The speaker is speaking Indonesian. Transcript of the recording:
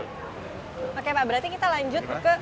oke pak berarti kita lanjut ke